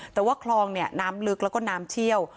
แต่ว่าคลองเนี่ยน้ำลึกแล้วก็น้ำเชี่ยว